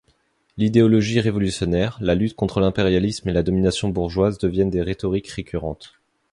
L'idéologie révolutionnaire, la lutte contre l'impérialisme et la domination bourgeoise deviennent des rhétoriques récurrentes.